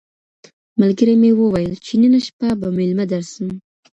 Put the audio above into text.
ملګري مي وویل چي نن شپه به مېلمه درسم.